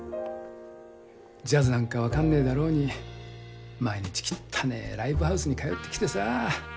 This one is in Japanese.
ジャズなんか分かんねえだろうに毎日きったねえライブハウスに通ってきてさあ。